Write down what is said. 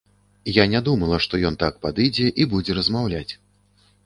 Я не думала, што ён так падыдзе і будзе размаўляць.